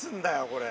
これ。